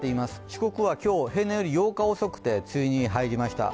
四国は今日、平年より８日遅く梅雨に入りました。